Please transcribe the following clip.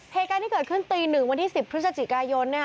เหตุการณ์ที่เกิดขึ้นตี๑วันที่๑๐พฤศจิกายน